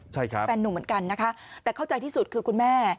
ใช่ครับแฟนหนุ่มเหมือนกันนะคะแต่เข้าใจที่สุดคือคุณแม่